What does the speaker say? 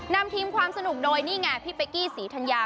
นำทีมความสนุกโดยพี่เปคกี้สีธัญญา